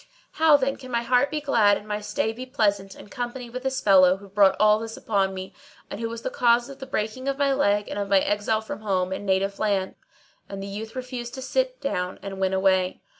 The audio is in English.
How then can my heart be glad and my stay be pleasant in company with this fellow who brought all this upon me, and who was the cause of the breaking of my leg and of my exile from home and native land. And the youth refused to sit down and went away.